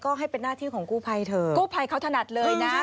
ก็ให้เป็นหน้าที่ของกู้ภัยเถอะกู้ภัยเขาถนัดเลยนะ